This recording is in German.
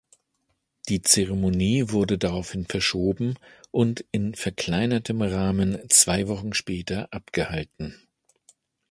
Die Zeremonie wurde daraufhin verschoben und in verkleinertem Rahmen zwei Wochen später abgehalten.